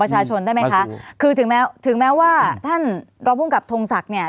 ประชาชนได้ไหมคะคือถึงแม้ถึงแม้ว่าท่านรองภูมิกับทงศักดิ์เนี่ย